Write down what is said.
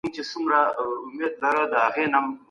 راتلونکي نسلونه به زموږ تاریخ په سمه توګه لولي.